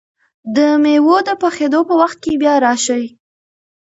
د مېوو د پخېدو په وخت کې بیا راشئ!